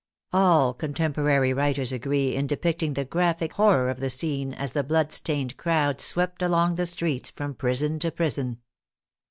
All contemporary writers agree in depicting the graphic horror of the scene as the blood stained crowd swept along the streets from prison to prison.